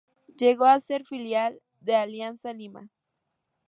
Llegó a ser filial de Alianza Lima.